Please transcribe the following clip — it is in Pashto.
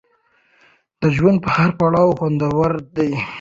د ژوند هر پړاو خوندور دی.